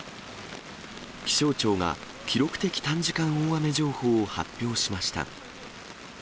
気象庁が、記録的短時間大雨情報を発表しました。